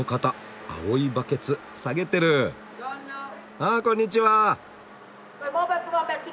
ああこんにちは！